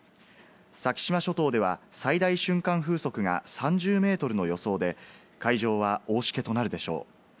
先島諸島では最大瞬間風速が３０メートルの予想で、海上は大しけとなるでしょう。